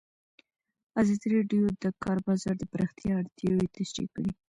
ازادي راډیو د د کار بازار د پراختیا اړتیاوې تشریح کړي.